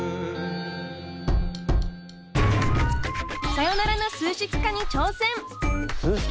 さよならの数式化に挑戦。